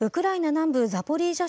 南部ザポリージャ